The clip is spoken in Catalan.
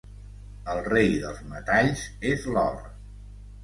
El rei dels metalls és l'or.